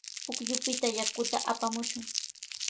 Pukyupita yakuta apamushun.